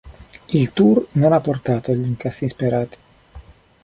Il tour non ha portato agli incassi sperati.